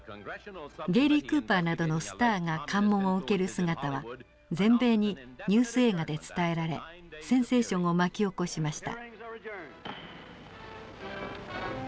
ゲイリー・クーパーなどのスターが喚問を受ける姿は全米にニュース映画で伝えられセンセーションを巻き起こしました。